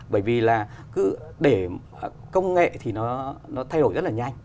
bởi vì là để công nghệ thì nó thay đổi rất là nhanh